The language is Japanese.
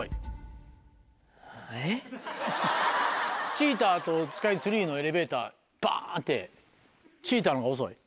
チーターとスカイツリーのエレベーターバってチーターの方が遅い？